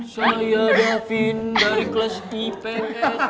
saya raffin dari kelas ips